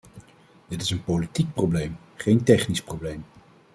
Dit is een politiek probleem, geen technisch probleem.